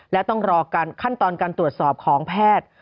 และต้องรอการขั้นตอนการตรวจสอบของแพทย์